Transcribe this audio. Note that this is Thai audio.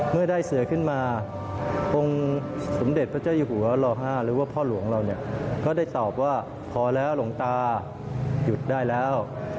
เมื่อได้เสือขึ้นมาองค์สมเด็จพระเจ้าอยู่หัวล่อ๕หรือว่าพ่อหลวงเราเนี่ยก็ได้ตอบว่าพอแล้วหลวงตาหยุดได้แล้ว